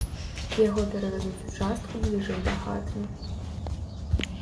Яго перавядуць у частку бліжэй да хаты.